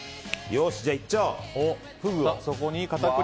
よし、じゃあいっちゃおう。